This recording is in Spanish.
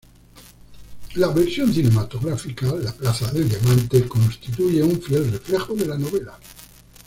La versión cinematográfica "La plaza del Diamante" constituye un fiel reflejo de la novela.